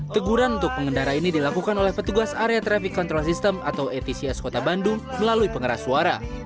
teguran untuk pengendara ini dilakukan oleh petugas area traffic control system atau atcs kota bandung melalui pengeras suara